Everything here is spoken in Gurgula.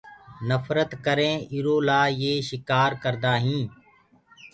نڦرت ڪرينٚ ايرو لآ يي شڪآر ڪردآئينٚ